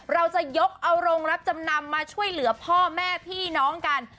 เราจะยกเอาโรงรับจำนำมาช่วยเหลือพ่อแม่พี่น้องกัน